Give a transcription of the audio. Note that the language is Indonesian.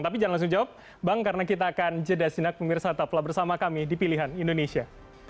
tapi jangan langsung jawab bang karena kita akan jeda sinak pemirsa tetaplah bersama kami di pilihan indonesia